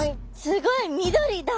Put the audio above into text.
すごい緑だ！